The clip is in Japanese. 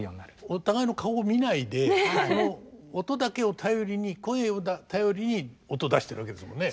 お互いの顔を見ないでこの音だけを頼りに声を頼りに音出してるわけですもんね。